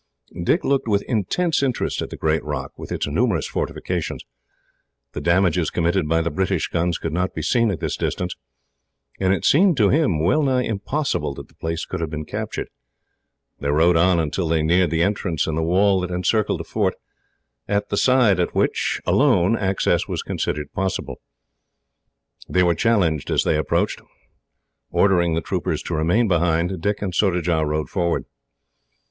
Dick looked with intense interest at the great rock, with its numerous fortifications. The damages committed by the British guns could not be seen at this distance, and it seemed to him well nigh impossible that the place could have been captured. They rode on, until they neared an entrance in the wall that encircled the fort, at the side at which, alone, access was considered possible. They were challenged as they approached. Ordering the troopers to remain behind, Dick and Surajah rode forward.